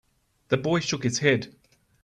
The boy shook his head.